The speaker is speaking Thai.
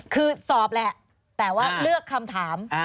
คือสอบแหละแต่ว่าเลือกคำถาม